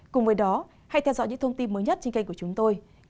cùng với đó hãy theo dõi những thông tin mới nhất trên kênh của chúng tôi